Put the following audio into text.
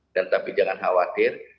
dan tapi jangan khawatir